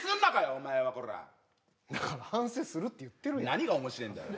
お前はコラッだから反省するって言ってるやん何が面白えんだよ